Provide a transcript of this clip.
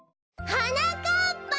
・はなかっぱ！